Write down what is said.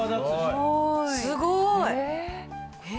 すごい。